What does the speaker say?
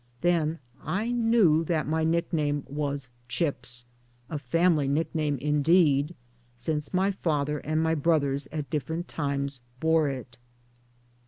Then I knew that my nickname was Chips a family nickname indeed, since my father and my brothers at different times bore it.